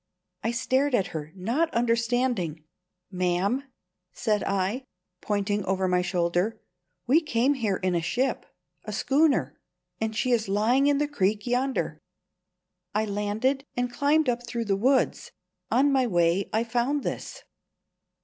I stared at her, not understanding. "Ma'am," said I, pointing over my shoulder, "we came here in a ship a schooner; and she is lying in the creek yonder. I landed and climbed up through the woods. On my way I found this."